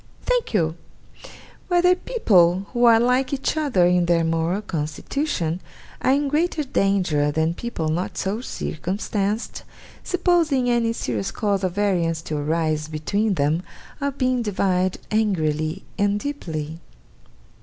'Thank you: whether people, who are like each other in their moral constitution, are in greater danger than people not so circumstanced, supposing any serious cause of variance to arise between them, of being divided angrily and deeply?